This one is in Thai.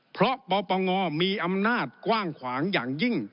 เพราะปปงมีอำนาจกว้างขวางอย่างยิ่ง